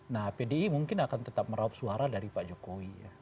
nah pdi mungkin akan tetap meraup suara dari pak jokowi ya